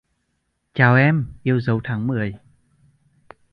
Chào em, yêu dấu Tháng Mười